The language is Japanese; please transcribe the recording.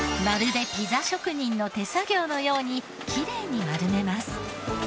まるでピザ職人の手作業のようにきれいに丸めます。